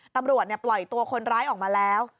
ตำรวจปล่อยตัวคนร้ายออกมาแล้ว